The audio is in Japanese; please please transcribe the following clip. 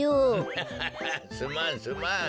ハハハハすまんすまん。